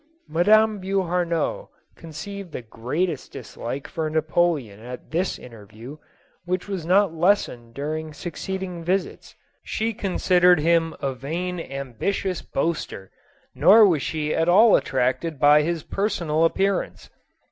" Madame Beauharnois conceived the greatest dislike for Napoleon at this interview, which was not lessened during succeeding visits. She considered him a vain ambitious boaster, nor was she at all attracted by his personal appearance.